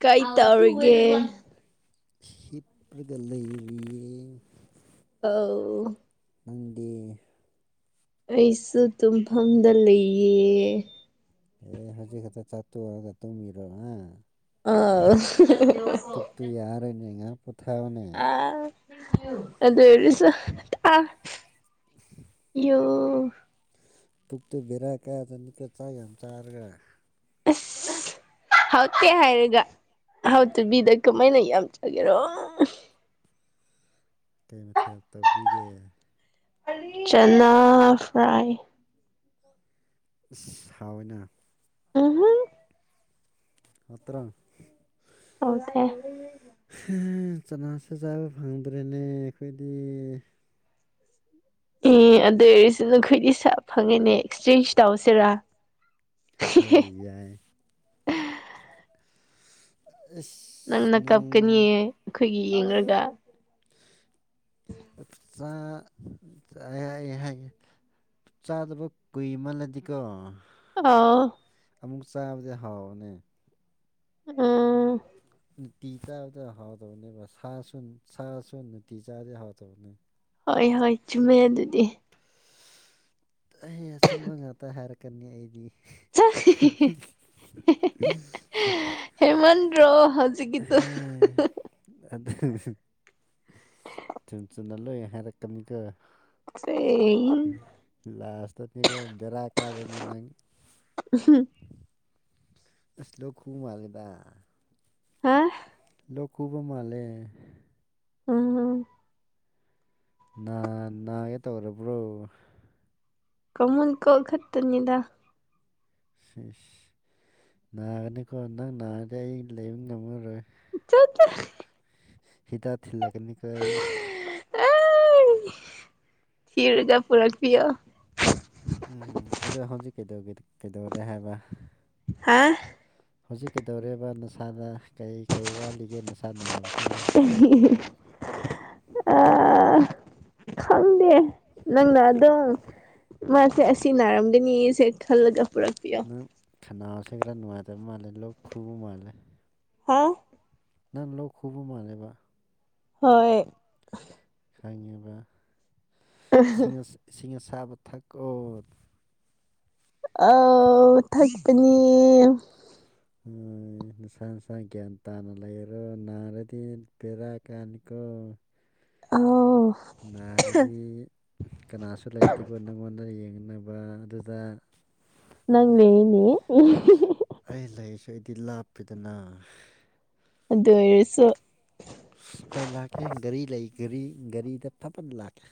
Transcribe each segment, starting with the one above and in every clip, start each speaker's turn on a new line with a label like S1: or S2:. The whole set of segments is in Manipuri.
S1: ꯀꯩ ꯇꯧꯔꯤꯒꯦ
S2: ꯍꯤꯞꯄꯗ ꯂꯩꯔꯤꯌꯦ
S1: ꯑꯥꯎ
S2: ꯅꯪꯗꯤ
S1: ꯑꯩꯁꯨ ꯇꯨꯝꯐꯝꯗ ꯂꯩꯌꯦ
S2: ꯑꯦ ꯍꯧꯖꯤꯛ ꯈꯛꯇ ꯆꯥꯛ ꯇꯣꯛꯑꯒ ꯇꯨꯝꯃꯤꯔꯣ ꯑꯥ
S1: ꯑꯥꯎ
S2: ꯨ ꯇꯨ ꯌꯥꯔꯣꯢꯅꯦ ꯉꯍꯥꯛ ꯄꯣ
S1: ꯑꯥ ꯑꯗꯨ ꯑꯣꯢꯔꯁꯨ ꯑꯥ ꯌꯨ
S2: ꯄꯨꯛꯇꯨ ꯚꯦꯔꯥ ꯀꯥꯖꯅꯤꯀꯣ ꯆꯥꯛ ꯌꯥꯝ ꯆꯔꯒ
S1: ꯑꯁ ꯍꯥꯎꯇꯦ ꯍꯥꯏꯔꯒ ꯍꯥꯎꯇꯕꯤꯗ ꯀꯃꯥꯏꯅ ꯌꯥꯝ ꯆꯒꯦꯔꯣ
S2: ꯀꯩ ꯃꯊꯦꯜ ꯇꯧꯕꯤꯒꯦ
S1: ꯆꯅꯥ ꯐ꯭ꯔꯥꯏ
S2: ꯏꯁ ꯍꯥꯎꯋꯦꯅꯥ
S1: ꯎꯝꯍꯨꯝ
S2: ꯅꯠꯇ꯭ꯔꯥ
S1: ꯍꯥꯎꯇꯦ
S2: ꯍꯥ ꯆꯅꯥꯁꯨ ꯆꯥꯕ ꯐꯪꯗ꯭ꯔꯦꯅꯦ ꯑꯩꯈꯣꯏꯗꯤ
S1: ꯑꯦ ꯑꯗꯨ ꯑꯣꯏꯔꯁꯨ ꯅꯈꯣꯏꯗꯤ ꯁꯥ ꯐꯪꯉꯦꯅꯦ ꯑꯦꯛꯁꯆꯦꯟꯖ ꯇꯧꯁꯤꯔꯥ
S2: ꯍꯣꯏ ꯌꯥꯏ ꯏꯁ
S1: ꯅꯪꯅ ꯀꯞꯀꯅꯤꯌꯦ ꯑꯩꯈꯣꯏꯒꯤ ꯌꯦꯡꯔꯒ
S2: ꯆꯥ ꯆꯥꯢ ꯍꯥꯢꯌꯦ ꯍꯥꯢꯌꯦ ꯆꯥꯗꯕ ꯀꯨꯏꯃꯜꯂꯗꯤꯀꯣ
S1: ꯑꯥꯎ
S2: ꯑꯃꯨꯛ ꯆꯥꯕꯗꯤ ꯍꯥꯎꯕꯅꯦ
S1: ꯎꯝ
S2: ꯅꯨꯇꯤ ꯆꯥꯕꯗꯣ ꯍꯥꯎꯗꯕꯅꯦꯕ ꯁꯥꯁꯨ ꯅꯨ ꯁꯥꯁꯨ ꯅꯨꯇꯤ ꯆꯥꯕꯗꯤ ꯍꯥꯎꯇꯕꯅꯦ
S1: ꯍꯣꯏ ꯍꯣꯢ ꯆꯨꯝꯃꯦ ꯑꯗꯨꯗꯤ
S2: ꯑꯩ ꯑꯆꯨꯝꯕ ꯉꯥꯛꯇ ꯍꯥꯏꯔꯛꯀꯅꯤ ꯑꯩꯗꯤ [unintelligible]
S1: ꯍꯦꯃꯟꯗ꯭ꯔꯣ ꯍꯧꯖꯤꯛꯀꯤꯗꯣ
S2: ꯑꯗꯨ ꯆꯨꯝ ꯆꯨꯝꯅ ꯂꯣꯢ ꯍꯥꯏꯔꯛꯀꯅꯤꯀꯣ
S1: [unintelligible]
S2: ꯂꯥꯁꯇꯗꯤ ꯅꯪ ꯕꯦꯔꯥ ꯀꯥꯖꯅꯤ ꯅꯪ
S1: [unintelligible]
S2: ꯑꯁ ꯂꯣꯛ ꯈꯨꯨ ꯃꯥꯜꯂꯦꯗ
S1: ꯍꯥꯥ
S2: ꯂꯣꯛ ꯈꯨꯕ ꯃꯥꯜꯂꯦ
S1: ꯎꯝ
S2: ꯅꯥ ꯅꯥꯒꯦ ꯇꯧꯔꯕ꯭ꯔꯣ
S1: ꯀꯃꯟ ꯀ‌ꯣꯜ ꯈꯛꯇꯅꯤꯗ
S2: ꯁꯤꯁ ꯅꯥꯔꯅꯤꯀꯣ ꯅꯪ ꯅꯥꯔꯗꯤ ꯑꯩ ꯂꯩꯕ ꯉꯝꯃꯔꯣꯏ
S1: ꯆꯠ
S2: ꯍꯤꯗꯥꯛ ꯊꯤꯜꯂꯛꯀꯅꯤ
S1: ꯑꯥꯢ ꯊꯤꯔꯖ ꯄꯨꯨꯔꯛꯄꯤꯌꯣ
S2: ꯎꯝ ꯑꯗꯣ ꯍꯧꯖꯤꯛ ꯀꯩꯗꯧꯒꯤ ꯀꯩꯗꯧꯔꯦ ꯍꯥꯏꯕ
S1: ꯍꯥ
S2: ꯍꯧꯖꯤꯛ ꯀꯩꯗꯧꯔꯦꯕ ꯅꯁꯥꯗ ꯀꯩ ꯀꯩ ꯋꯥꯠꯂꯤꯒꯦ ꯅꯁꯥ ꯅꯥꯕꯁꯦ
S1: ꯑꯥ ꯈꯪꯗꯦ ꯅꯪꯅ ꯑꯗꯨꯝ ꯃꯥꯁꯦ ꯑꯁꯤ ꯅꯔꯝꯒꯅꯤꯁꯦ ꯈꯜꯂꯒ ꯄꯨꯔꯛꯄꯤ
S2: ꯅꯪ ꯈꯅꯥꯎꯁꯦ ꯈꯔ ꯅꯨꯡꯉꯥꯏꯇꯕ ꯃꯥꯜꯂꯦ ꯂꯣꯛ ꯈꯨꯕ ꯃꯥꯥꯡꯂꯦ
S1: ꯍꯥꯥ
S2: ꯅꯪ ꯂꯣꯛ ꯈꯨꯕ ꯃꯥꯟꯂꯦꯕ
S1: ꯍꯣꯏ
S2: ꯈꯪꯉꯦꯅ ꯏꯁꯤꯡ ꯑꯁꯥꯕ ꯊꯛꯀꯣ
S1: ꯑꯎ ꯊꯛꯀꯅꯤ
S2: ꯎꯝ ꯅꯁꯥ ꯅꯁꯥꯅ ꯒ꯭ꯌꯥꯟ ꯇꯥꯟꯅ ꯂꯩꯔꯣ ꯅꯥꯔꯗꯤ ꯕꯦꯔꯥ ꯀꯥꯅꯤ ꯀ‌ꯣ
S1: ꯑꯣ
S2: ꯅꯥꯔꯗꯤ ꯀꯅꯥꯁꯨ ꯂꯩꯇꯦꯀꯣ ꯅꯉꯣꯟꯗ ꯌꯦꯡꯅꯕ ꯑꯗꯨꯗ
S1: ꯅꯪ ꯂꯩꯅꯤ
S2: ꯑꯩ ꯂꯩꯥꯔꯁꯨ ꯑꯩꯗꯤ ꯂꯥꯞꯄꯤꯗꯅ
S1: ꯑꯗꯨ ꯑꯣꯏꯔꯁꯨ
S2: ꯍꯣꯏ ꯂꯥꯛꯀꯦ ꯒꯥꯔꯤ ꯂꯩ ꯒꯥꯔꯤꯗ ꯐꯠꯐꯠ ꯂꯥꯛꯀꯦ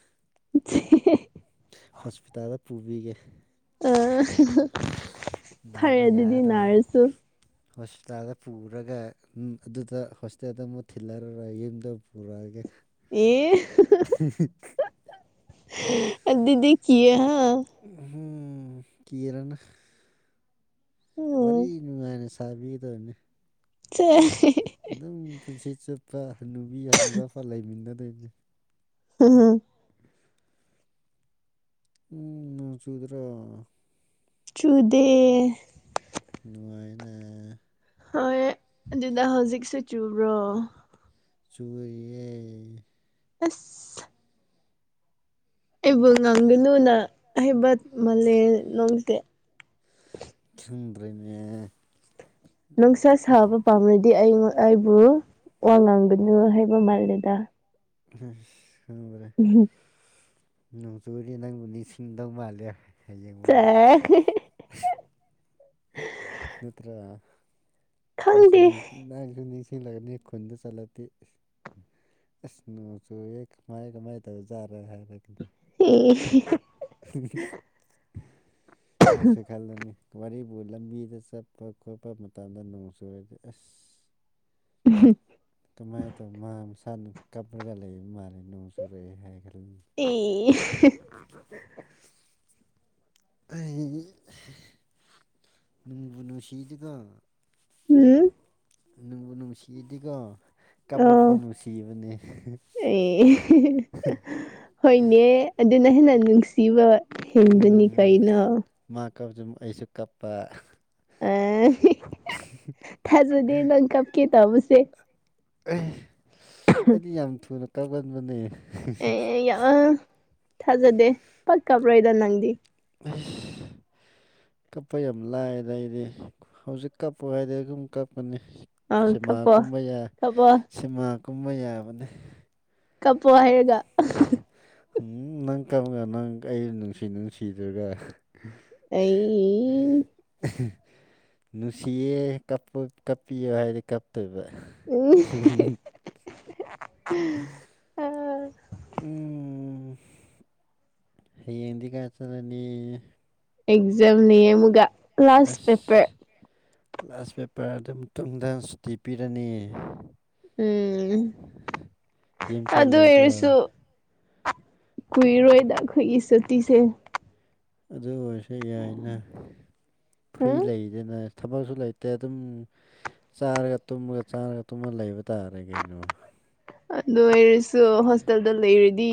S1: [unintelligible]
S2: ꯍꯣꯁꯄꯤꯇꯥꯜꯗ ꯄꯨꯕꯤꯒꯦ
S1: ꯑ ꯐꯔꯦ
S2: ꯅꯥꯕ
S1: ꯑꯗꯨꯗꯤ
S2: ꯌꯥꯔꯔꯣꯏ
S1: ꯅꯥꯔꯁꯨ
S2: ꯍꯣꯁꯄꯤꯇꯥꯜꯗ ꯄꯨꯔꯒ ꯑꯗꯨꯗ ꯍꯣꯁꯇ‌ꯦꯜꯗ ꯑꯃꯨꯛ ꯊꯤꯜꯂꯂ‌ꯣꯏ ꯌꯨꯝꯗ ꯄꯨꯔꯛꯑꯒꯦ
S1: ꯑꯗꯨꯗꯤ ꯀꯤ ꯍꯥ
S2: ꯎꯝ ꯍꯝ ꯀꯤꯔꯅꯨ ꯋꯥꯔꯤ
S1: ꯎꯝ
S2: ꯅꯨꯡꯉꯥꯏꯅ ꯁꯥꯕꯤꯗꯣꯏꯅ‌ꯦ
S1: [unintelligible]
S2: ꯑꯗꯨꯝ ꯄꯨꯟꯁꯤ ꯆꯨꯞꯄ ꯍꯅꯨꯕꯤ ꯍꯅꯨꯨꯕ ꯐꯥꯎ ꯂꯩꯃꯤꯟꯅꯗꯣꯏꯅꯤ
S1: ꯍꯥ ꯍꯥ
S2: [inaudible] ꯎꯝ ꯅꯣꯡ ꯆꯨꯗ꯭ꯔꯣ
S1: ꯆꯨꯗꯦ
S2: ꯅꯨꯡꯉꯥꯏꯅ
S1: ꯍꯣꯏ ꯑꯗꯨꯗ ꯍꯧꯖꯤꯛꯁꯨ ꯆꯨꯕ꯭ꯔꯣ
S2: ꯆꯨꯏꯌꯦ
S1: ꯑꯁ ꯑꯩꯕꯨ ꯉꯥꯡꯒꯅꯨꯅ ꯍꯩꯕ ꯃꯜꯂꯦ ꯅꯪꯁꯦ
S2: ꯊꯨꯟꯗ꯭ꯔꯦꯅꯦ
S1: ꯅꯨꯡꯁꯥ ꯁꯥꯕ ꯄꯥꯝꯔꯗꯤ ꯑꯩ ꯑꯩꯕꯨ ꯋꯥ ꯉꯥꯡꯒꯅꯨ ꯍꯥꯏꯕ ꯃꯥꯜꯂꯦꯗ
S2: ꯑꯁ [unintelligible] ꯅꯣꯡ ꯆꯨꯔꯗꯤ ꯅꯪꯕꯨ ꯅꯤꯡꯁꯤꯡꯗꯧ ꯃꯥꯜꯂꯦ
S1: ꯆꯥ
S2: ꯍꯌꯦꯡꯋꯥꯏ
S1: ꯍꯤ ꯍꯤ
S2: ꯅꯠꯇ꯭ꯔ
S1: ꯈꯪꯗꯦ
S2: ꯅꯁꯤꯅꯤ ꯅꯪ ꯑꯗꯨꯝ ꯅꯤꯡꯁꯤꯡꯂꯒꯅꯤ ꯈꯨꯟꯗ ꯆꯠꯂꯗꯤ ꯑꯁ ꯑꯁ ꯅꯣꯡ ꯆꯨꯌꯦ ꯀꯃꯥꯢ ꯀꯃꯥꯢ ꯇꯧꯖꯥꯠꯅꯣ [unintelligible]
S1: [unintelligible]
S2: [unintelligible] ꯑꯩꯁꯨ ꯈꯜꯂꯅꯤ ꯋꯥꯔꯤꯕꯨ ꯂꯝꯕꯤꯗ ꯆꯠꯄ ꯈꯣꯠꯄ ꯃꯇꯝꯗ ꯅꯣꯡ ꯆꯨꯔꯗꯤ ꯑꯁ ꯀꯝꯃꯥꯢ ꯇꯧ ꯃꯥ ꯃꯁꯥ ꯅꯨꯡ ꯀꯥꯞꯔꯒꯥ ꯂꯩ ꯃꯥꯜꯂꯤ ꯅꯣꯡ ꯆꯨꯔꯛꯏ ꯍꯥꯢꯈ꯭ꯔꯅꯤ
S1: [unintelligible]
S2: [inaudible] ꯑꯩ ꯅꯨꯡꯕꯨ ꯅꯨꯡꯁꯤꯗꯤ ꯀꯣ
S1: ꯍꯝ
S2: ꯅꯨꯡꯕꯨ ꯅꯨꯡꯁꯤꯗꯤꯀꯣ ꯀꯥꯞꯄ ꯐꯥꯎ
S1: ꯎꯝ
S2: ꯅꯨꯡꯁꯤꯕꯅꯦ
S1: ꯑꯦ ꯍꯣꯢꯅꯦ ꯑꯗꯨꯅ ꯍꯦꯟꯅ ꯅꯨꯡꯁꯤꯕ ꯍꯤꯡꯗꯨꯅꯤ
S2: ꯎꯝ
S1: ꯀꯩꯅꯣ
S2: ꯃꯥ ꯀꯞꯖꯨ ꯃꯨꯛ ꯑꯩꯁꯨ ꯀꯞꯄ
S1: ꯑꯥ ꯍꯤ ꯊꯥꯖꯗꯦ ꯅꯪ ꯀꯞꯀꯦ ꯇꯧꯕꯁꯦ
S2: ꯑꯩ ꯑꯁ ꯑꯩꯗꯤ ꯌꯥꯝ ꯊꯨꯅ ꯀꯒꯟꯕꯅꯦ
S1: ꯑꯦ ꯌꯦ ꯌꯦ ꯌꯥ ꯊꯥꯖꯗꯦ ꯄꯥꯛ ꯀꯞꯔꯣꯢꯗ ꯅꯪꯗꯤ
S2: ꯑꯩꯏꯁ ꯀꯞꯄ ꯌꯥꯝ ꯂꯥꯢꯌꯦꯗ ꯑꯩꯗꯤ ꯍꯧꯖꯤꯛ ꯀꯞꯄꯣ ꯍꯥꯢꯗꯤ ꯑꯗꯨꯝ ꯀꯞꯀꯅꯤ
S1: ꯑ
S2: ꯁꯤꯃꯥ
S1: ꯀꯞꯄꯣ
S2: ꯀꯨꯝꯕ ꯌꯥ
S1: ꯀꯞꯄꯣ
S2: ꯁꯤꯃꯥ ꯀꯨꯝꯕ ꯌꯥꯕꯅꯦ
S1: ꯀꯞꯄꯣ ꯍꯥꯢꯔꯒ
S2: ꯍꯨꯝ ꯅꯪ ꯀꯞꯔ ꯅꯪ ꯑꯩ ꯅꯨꯡꯁꯤ ꯅꯨꯡꯁꯤꯗ꯭ꯔꯒ
S1: ꯑꯩꯌꯤ
S2: ꯑꯍꯦ ꯅꯨꯁꯤꯌꯦ ꯀꯞꯄꯨ ꯀꯞꯄꯤꯌꯣ ꯍꯥꯢꯔꯗꯤ ꯀꯞꯇꯣꯢꯕ
S1: ꯎꯝ
S2: [unintelligible] ꯎꯝ ꯍꯌꯦꯡꯗꯤ ꯀꯥꯢꯗ ꯆꯠꯂꯅꯤ
S1: ꯑꯦꯛꯖꯥꯝ ꯂꯩꯌꯦ ꯑꯃꯨꯛꯒ ꯀ꯭ꯂꯥꯁ ꯄꯦꯄꯔ
S2: ꯑꯁ ꯂꯥꯁ ꯄꯦꯄꯔ ꯑꯗꯨ ꯃꯇꯨꯡꯗ ꯁꯨꯇꯤ ꯄꯤꯔꯅꯤ
S1: ꯎꯝ
S2: ꯌꯨꯝ ꯆꯠꯂꯣꯢꯀꯣ
S1: ꯀꯨꯢꯔꯣꯢꯗ ꯑꯈꯣꯢꯒꯤ ꯁꯨꯇꯤꯁꯦ
S2: ꯑꯗꯨ ꯑꯣꯢꯔꯁꯨ ꯌꯥꯢꯅ ꯐ꯭ꯔꯤ
S1: ꯎꯝ
S2: ꯂꯩꯗꯅ ꯊꯕꯛꯁꯨ ꯂꯩ ꯇ ꯑꯗꯨꯝ ꯆꯥꯔꯒ ꯇꯨꯝꯃꯒ ꯆꯥꯔꯒ ꯇꯨꯝꯃ ꯂꯩꯕ ꯇꯥꯔꯦ ꯀꯩꯅꯣ
S1: ꯑꯗꯨ ꯑꯣꯏꯔꯁꯨ ꯍꯣꯁꯇꯦꯜꯗ ꯂꯩꯔꯗꯤ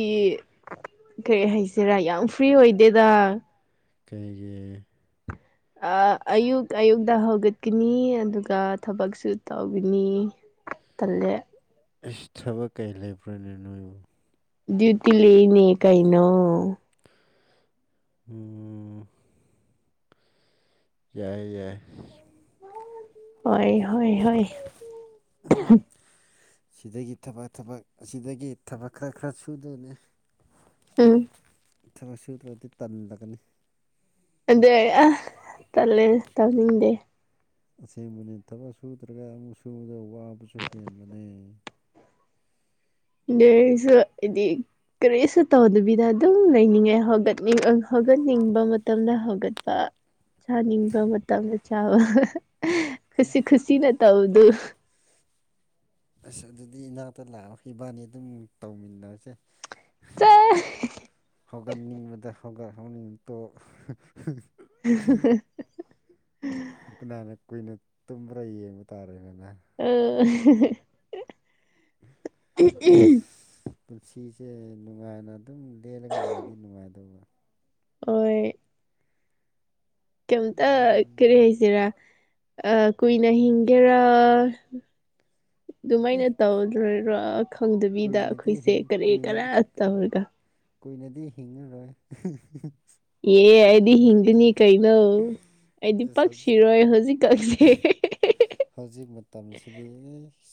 S1: ꯀꯔꯤ ꯍꯥꯢꯁꯤꯔ ꯌꯥꯝ ꯐ꯭ꯔꯤ ꯑꯣꯢꯗꯦꯗꯥ
S2: ꯀꯩꯒꯤ
S1: ꯑꯥ ꯑꯌꯨꯛ ꯑꯌꯨꯛꯇ ꯍꯧꯒꯠꯀꯅꯤ ꯑꯗꯨꯒ ꯊꯕꯛꯁꯨ ꯇꯧꯒꯅꯤ ꯇꯜꯂꯦ
S2: ꯑꯩꯁ ꯊꯕꯛ ꯀꯩ ꯂꯩꯕ꯭ꯔꯅꯦ ꯅꯣꯢꯕꯣ
S1: ꯗ꯭ꯌꯨꯇꯤ ꯂꯦꯌꯦꯅꯦ ꯀꯩꯅꯣ
S2: ꯎꯝ ꯌꯥꯏ ꯌꯥꯏ
S1: ꯍꯣꯏ ꯍꯣꯏ ꯍꯣꯏ
S2: ꯎꯝ ꯁꯤꯗꯒꯤ ꯊꯕ ꯊꯕꯛ ꯑꯁꯤꯗꯒꯤ ꯊꯕꯛ ꯈ ꯈ꯭ꯔ ꯁꯨꯗꯣꯏꯅꯦ
S1: ꯎꯝ
S2: ꯊꯕꯛ ꯁꯨꯗ꯭ꯔꯗꯤ ꯇꯜꯂꯒꯅꯤ
S1: ꯑꯗꯣꯏ ꯑꯥ ꯇꯜꯂꯦ ꯇꯧꯅꯤꯡꯗꯦ
S2: ꯑꯁꯦꯡꯕꯅꯦ ꯊꯕꯛ ꯁꯨꯗ꯭ꯔꯒ ꯑꯃꯨꯛ ꯁꯨꯕꯗꯣ ꯋꯥꯕꯖꯨ ꯍꯦꯟꯕꯅꯦ
S1: [unintelligible] ꯁꯨ ꯑꯦꯗꯤꯛ ꯀꯔꯤꯁꯨ ꯇꯧꯗꯕꯤꯗ ꯑꯗꯨꯝ ꯂꯩꯅꯤꯡꯉꯦ ꯍꯧꯒꯠꯅꯤꯡ ꯎꯝ ꯍꯧꯒꯠꯅꯤꯡꯕ ꯃꯇꯝꯗ ꯍꯧꯒꯠꯄ ꯆꯥꯅꯤꯡꯕ ꯃꯇꯝꯗ ꯆꯥꯕ [unintelligible] ꯈꯨꯁꯤ ꯈꯨꯁꯤꯅ ꯇꯧꯗꯨ
S2: ꯑꯁ ꯑꯗꯨꯗꯤ ꯏꯅꯥꯛꯇ ꯂꯥꯛꯑꯣ ꯏꯕꯥꯅꯤ ꯗꯨꯝ ꯇꯧꯃꯤꯟꯅꯖꯦ
S1: ꯆꯥ
S2: [unintelligible] ꯍꯧꯒꯠꯅꯤꯡꯕꯗ ꯍꯧꯒ ꯍꯧꯅꯤꯡ ꯇꯣꯛ [unintelligible]
S1: [unintelligible]
S2: ꯀꯅꯥꯅ ꯀꯨꯏꯅ ꯇꯨꯝꯕ꯭ꯔ ꯌꯦꯡꯕ ꯇꯥꯔꯦꯗꯅꯥ
S1: [unintelligible]
S2: ꯑꯁ ꯄꯨꯟꯁꯤꯁꯦ ꯅꯨꯡꯉꯥꯏꯅ ꯑꯗꯨꯝ ꯂꯦꯜꯂꯒ ꯂꯩꯗꯤ ꯅꯨꯡꯉꯥꯏꯗꯧꯕ
S1: ꯑꯣꯏ ꯀꯩꯝꯇ ꯀꯔꯤ
S2: ꯎꯝ
S1: ꯍꯥꯏꯁꯤꯔꯥ ꯑ ꯀꯨꯏꯅ ꯍꯤꯡꯒꯦꯔꯥ
S2: ꯑꯦ
S1: ꯑꯗꯨꯃꯥꯏꯅ ꯇꯧꯗꯣꯏꯔꯥ ꯈꯪꯗꯕꯤꯗ
S2: ꯀꯨꯏꯅꯗꯤ
S1: ꯑꯈꯣꯏꯁꯦ
S2: ꯍꯤꯡ
S1: ꯀꯔꯤ
S2: ꯀꯨꯏꯅ
S1: ꯀꯔꯥ ꯇꯧꯔꯒ
S2: ꯀꯨꯏꯅꯗꯤ ꯍꯤꯡꯉꯔꯣꯏ
S1: ꯑꯦ ꯑꯩꯗꯤ ꯍꯤꯡꯒꯅꯤ ꯀꯩꯅꯣ ꯑꯩꯗꯤ ꯄꯥꯛ
S2: ꯑꯁ ꯍꯧꯖꯤꯛ
S1: ꯁꯤꯔꯣꯏ ꯍꯧꯖꯤꯛꯀꯟꯁꯦ
S2: ꯍꯧꯖꯤꯛ ꯃꯇꯝꯁꯤꯗꯤ ꯑꯩꯁ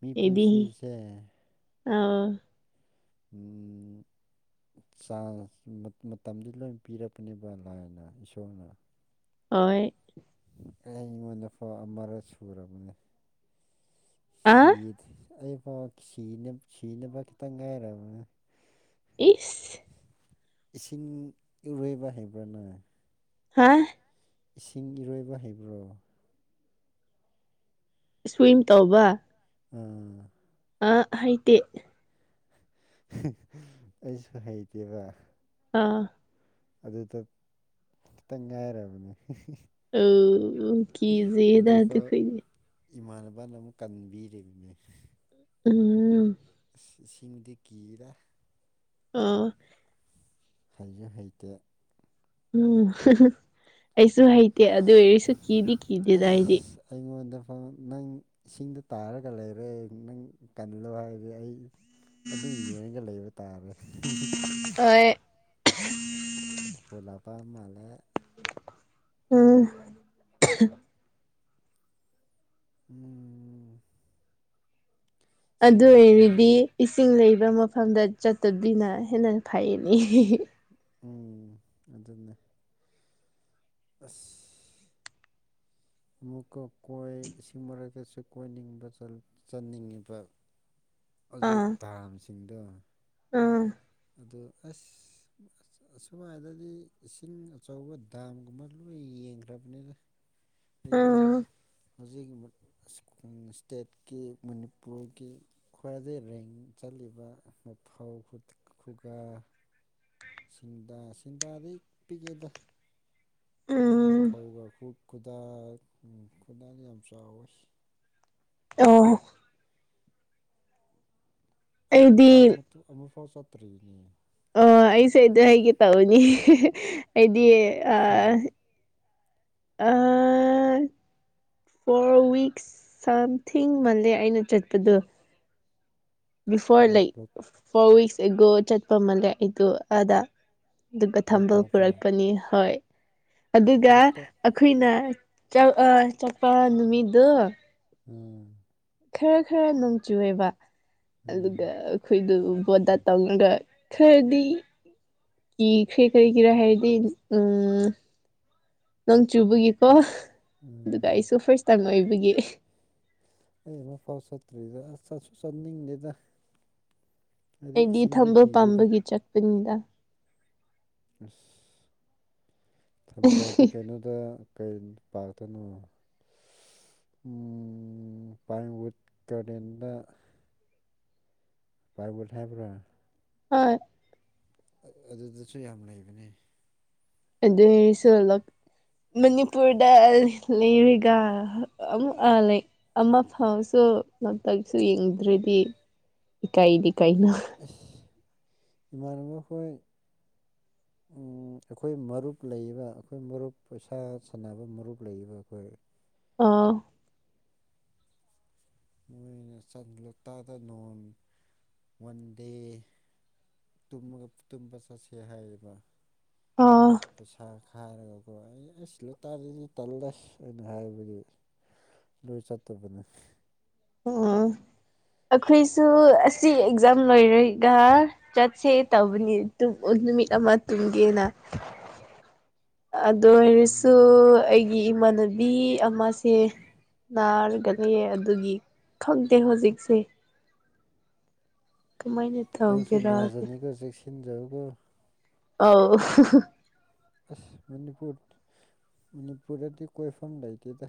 S2: ꯃꯤ ꯄꯨꯟꯁꯤꯁꯦ
S1: ꯑꯥꯎ
S2: ꯎꯝ ꯆꯥꯡ ꯃꯠ ꯃꯇꯝꯗꯤ ꯂꯣꯏ ꯄꯤꯔꯛꯄꯅꯦꯕ ꯂꯥꯏꯅ ꯏꯁꯣꯔꯅ
S1: ꯑꯣꯏ
S2: ꯑꯩꯉꯣꯟꯗ ꯐꯧ ꯑꯃꯔ ꯁꯨꯔꯕꯅꯦ
S1: ꯑ
S2: ꯁꯤꯗꯤ ꯑꯩꯐꯥꯎ ꯁꯤꯅ ꯁꯤꯅꯕ ꯈꯤꯇꯪ ꯉꯥꯏꯔꯕꯅꯤ
S1: ꯏꯁ
S2: ꯏꯁꯤꯡ ꯏꯔꯣꯏꯕ ꯍꯩꯕ꯭ꯔꯥ ꯅꯪ
S1: ꯍꯥ
S2: ꯏꯁꯤꯡ ꯏꯔꯣꯏꯕ ꯍꯩꯕ꯭ꯔꯣ
S1: ꯁ꯭ꯋꯤꯝ ꯇꯧꯕ
S2: ꯑꯥ
S1: ꯑꯥ ꯍꯩꯇꯦ
S2: [unintelligible] ꯑꯩꯁꯨ ꯍꯩꯇꯦꯕ
S1: ꯑꯥ
S2: ꯑꯗꯨꯗ ꯈꯤꯇꯪ ꯉꯥꯏꯔꯕꯅꯤ
S1: ꯑꯧ ꯀꯤꯖꯩꯌꯦꯗ
S2: ꯑꯗꯨꯐꯥꯎ
S1: ꯑꯗꯨꯈꯣꯏꯗꯤ
S2: ꯏꯃꯥꯟꯅꯕꯅ ꯑꯃꯨꯛ ꯀꯟꯕꯤꯔꯤꯕꯅꯦ
S1: ꯑꯝ
S2: ꯑꯁ ꯏꯁꯤꯡꯗꯤ ꯀꯤꯔꯦ
S1: ꯑꯥ
S2: ꯍꯩꯁꯨ ꯍꯩꯇꯦ
S1: ꯎꯝ ꯑꯩꯁꯨ ꯍꯩꯇꯦ ꯑꯗꯨ ꯑꯣꯏꯔꯁꯨ ꯀꯤꯗꯤ ꯀꯤꯗꯦꯗ ꯑꯩꯗꯤ
S2: ꯑꯩꯉꯣꯟꯗꯐꯥꯎ ꯅꯪ ꯏꯁꯤꯡꯗ ꯇꯥꯔꯒ ꯂꯩꯔꯦ ꯅꯪ ꯀꯜꯂꯣ ꯍꯥꯢꯔꯗꯤ ꯑꯩ ꯑꯗꯨ ꯌꯦꯡꯉꯒ ꯂꯩꯕ ꯇꯥꯔꯦ
S1: ꯑꯣꯏ
S2: ꯐꯣꯟ ꯂꯥꯛꯄ ꯃꯥꯜꯂꯦ
S1: ꯑꯝ
S2: ꯎꯝ ꯁꯤꯡ
S1: ꯑꯗꯨ
S2: ꯍꯩ
S1: ꯑꯣꯏꯔꯗꯤ ꯏꯁꯤꯡ ꯂꯩꯕ ꯃꯐꯝꯗ ꯆꯠꯇꯕꯤꯅ ꯍꯦꯟꯅ ꯐꯩꯅꯦ
S2: ꯎꯝ ꯑꯗꯨꯅ ꯑꯁ ꯑꯃꯨꯛꯀ ꯀꯣꯏ ꯏꯁꯤꯡ ꯃꯔꯛꯇꯁꯨ ꯀꯣꯏꯅꯤꯡꯕ ꯆꯜ ꯆꯟꯅꯤꯡꯉꯦꯕ ꯍꯧꯖꯤꯛ
S1: ꯑꯥ
S2: ꯗꯥꯝꯁꯤꯡꯗꯣ
S1: ꯑꯥ
S2: ꯑꯗꯨ ꯑꯁ ꯑꯁ ꯁꯨꯃꯥꯏꯗꯗꯤ ꯏꯁꯤꯡ ꯑꯆꯧꯕ ꯗꯥꯝꯒꯨꯝꯕ ꯂꯣꯏ ꯌꯦꯡꯈ꯭ꯔꯕꯅꯤꯗ ꯑꯩ
S1: ꯑꯥ
S2: ꯍꯧꯖꯤꯛꯒꯤ ꯃꯨꯠ ꯑꯁ ꯁ꯭ꯇꯦꯠꯀꯤ ꯃꯅꯤꯄꯨꯔꯒꯤ ꯈ꯭ꯋꯥꯏꯗꯩ ꯔꯦꯡ ꯆꯠꯂꯤꯕ ꯃꯧꯐꯥ ꯈꯨꯒꯥ ꯁꯤꯡꯗꯥ ꯁꯤꯡꯗꯥꯗꯤ ꯄꯤꯛꯑꯦꯗ
S1: ꯎꯝ
S2: ꯃꯧꯐꯧꯒ ꯈꯨꯨ ꯈꯨꯗꯥꯡ ꯈꯨꯗꯥꯡ ꯌꯥꯝ ꯆꯥꯎꯋꯦ
S1: ꯑꯣ
S2: ꯑꯩ
S1: ꯑꯩꯗꯤ
S2: ꯂꯣꯇꯥꯛ ꯃꯇꯨꯡ ꯑꯃꯐꯥꯎ ꯆꯠꯇ꯭ꯔꯤꯅꯦ
S1: ꯑꯣ ꯑꯩꯁꯦ ꯑꯩꯗ ꯍꯥꯏꯒꯦ ꯇꯧꯅꯤ ꯑꯩꯗꯤ ꯑꯥ ꯑꯥ ꯐꯣꯔ ꯋꯤꯛꯁ ꯁꯝꯊꯤꯡ ꯃꯥꯜꯂꯦ ꯑꯩꯅ ꯆꯠꯄꯗꯣ ꯕꯤꯐꯣꯔ ꯂꯩ
S2: ꯂꯣꯛꯇꯥꯛꯇ
S1: ꯐꯣꯔ ꯋꯤꯛꯁ ꯑꯦꯒꯣ ꯆꯠꯄ ꯃꯥꯜꯂꯦ ꯑꯩꯗꯣ ꯑꯥꯗ ꯑꯗꯨꯒ ꯊꯝꯕꯥꯜ ꯄꯨꯔꯛꯄꯅꯤ ꯍꯣꯏ ꯑꯗꯨꯒ
S2: ꯂꯣꯛꯇꯥꯛ
S1: ꯑꯈꯣꯏꯅ ꯆꯠ ꯆꯠꯄ ꯅꯨꯃꯤꯠꯗꯣ
S2: ꯎꯝ
S1: ꯈꯔ ꯈꯔ ꯅꯣꯡꯆꯨꯌꯦꯕ
S2: ꯎꯝ
S1: ꯑꯗꯨꯒ ꯈꯣꯏꯗꯨ ꯕꯣꯠꯗꯥ ꯇꯧꯔꯒ ꯈꯔꯗꯤ ꯏꯈ꯭ꯔꯦ ꯀꯩꯒꯤꯔꯥ ꯍꯥꯏꯔꯗꯤ ꯎꯝ ꯅꯣꯡ ꯆꯨꯕꯒꯤꯀꯣ ꯑꯗꯨꯒ
S2: ꯎꯝ
S1: ꯑꯩꯁꯨ ꯐꯥꯔꯁ ꯇꯥꯏꯝ ꯑꯣꯏꯕꯒꯤ
S2: ꯑꯩ ꯑꯃ ꯐꯥꯎ ꯆꯠꯇ꯭ꯔꯤꯗ ꯑꯁ ꯆꯠꯁꯨ ꯆꯠꯅꯤꯡꯗꯦꯗ ꯍꯥꯏꯗꯤ
S1: ꯑꯩꯗꯤ
S2: ꯏꯁꯤꯡꯗꯨ
S1: ꯊꯝꯕꯥꯜ
S2: ꯀꯤꯌꯦꯗ
S1: ꯄꯥꯝꯕꯒꯤ ꯆꯠꯄꯅꯤꯗ
S2: ꯑꯁ ꯊꯝꯕꯥꯜꯗꯤ ꯀꯩꯅꯣꯗ ꯀꯩ ꯄꯥꯛꯇꯅꯣ ꯎꯝ ꯄꯥꯏꯟ ꯋꯨꯠ ꯒꯥꯔꯗꯦꯟꯗ ꯄꯥꯏꯟꯋꯨꯠ ꯍꯥꯢꯕ꯭ꯔ
S1: ꯍꯣꯏ
S2: ꯑꯩ ꯑꯗꯨꯗꯆꯨ ꯌꯥꯝ ꯂꯩꯕꯅꯦ
S1: [unintelligible] ꯃꯅꯤꯄꯨꯔꯗ ꯂꯩꯔꯤꯒ ꯑꯃꯨꯛ ꯑ ꯂꯩ ꯑꯃ ꯐꯥꯎꯁꯨ ꯂꯣꯛꯇꯛꯁꯨ ꯌꯦꯡꯗ꯭ꯔꯗꯤ ꯏꯀꯥꯏꯗꯤ ꯀꯩꯅꯣ
S2: ꯑꯁ ꯏꯃꯥꯟꯅꯕ ꯈꯣꯏ ꯎꯝ ꯑꯩꯈꯣꯏ ꯃꯔꯨꯞ ꯂꯩꯕ ꯑꯩꯈꯣꯏ ꯃꯔꯨꯞ ꯄꯩꯁꯥ ꯁꯥꯟꯅꯕ ꯃꯔꯨꯞ ꯂꯩꯕ ꯑꯈꯣꯏ
S1: ꯑꯣ
S2: ꯃꯣꯏꯅ ꯆꯟ ꯂꯣꯇꯥꯛꯗ ꯅꯣꯡ ꯋꯥꯟ ꯗꯦ ꯇꯝꯃꯒ ꯇꯨꯝꯕ ꯆꯠꯁꯦ ꯍꯥꯏꯌꯦꯕ
S1: ꯑꯥ
S2: ꯄꯩꯁꯥ ꯈꯥꯏꯔꯒꯀꯣ ꯑꯩ ꯑꯁ ꯂꯨꯇꯥꯗꯗꯤ ꯇꯜꯂꯦ ꯑꯩꯅ ꯍꯥꯏꯕꯒꯤ ꯂꯣꯏ ꯆꯠꯇꯕꯅꯦ
S1: ꯑꯣ ꯑꯈꯣꯏꯁꯨ ꯑꯁꯤ ꯑꯦꯛꯖꯥꯝ ꯂꯣꯏꯔꯒ ꯆꯠꯁꯦ ꯇꯧꯕꯅꯤ ꯗꯨꯕꯨ ꯅꯨꯃꯤꯠ ꯑꯃ ꯇꯨꯝꯒꯦꯅ ꯑꯗꯨ ꯑꯣꯏꯔꯁꯨ
S2: ꯎꯝ
S1: ꯑꯩꯒꯤ ꯏꯃꯥꯅ ꯃꯤ ꯑꯃꯁꯦ ꯅꯥꯔꯒ ꯂꯩꯌꯦ ꯑꯗꯨꯒꯤ ꯈꯪꯗꯦ ꯍꯣꯖꯤꯛꯁꯦ ꯀꯃꯥꯏꯅ
S2: ꯅꯪꯁꯨ
S1: ꯇꯧꯒꯦꯔꯥ
S2: ꯅꯥꯖꯅꯤꯒꯣ ꯆꯦꯛꯁꯤꯟꯖꯧꯀꯣ
S1: ꯑꯧ
S2: ꯑꯁ ꯃꯅꯤꯄꯨꯔ ꯃꯅꯤꯄꯨꯔꯗꯗꯤ ꯀꯣꯏꯐꯝ ꯂꯩꯇꯦꯗ